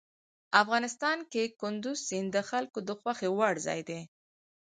افغانستان کې کندز سیند د خلکو د خوښې وړ ځای دی.